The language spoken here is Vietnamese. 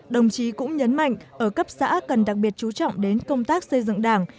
đồng chí cũng nhấn mạnh ở cấp xã cần đặc biệt chú trọng đến công tác xây dựng đảng